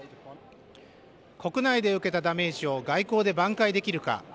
国内で受けたダメージを外交で挽回できるか。